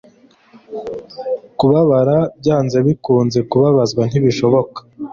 kubabara byanze bikunze kubabazwa ntibishoboka